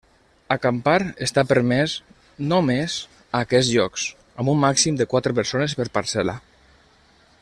Acampar està permès només a aquests llocs, amb un màxim de quatre persones per parcel·la.